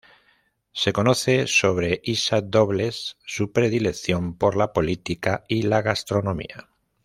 Se conoce sobre Isa Dobles su predilección por la política y la gastronomía.